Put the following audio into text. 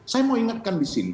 saya mau ingatkan di sini